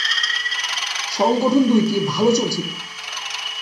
সংগঠন দুইটি ভালো চলেছিল না।